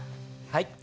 はい。